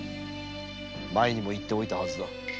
前にも言っておいたはずだ。